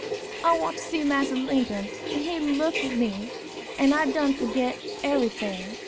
I want to see Massa Linkum, an' he look at me, an' I done forget eberyting.